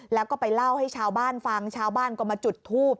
แล้วก็ไปเล่าให้ชาวบ้านฟังชาวบ้านก็มาจุดทูบ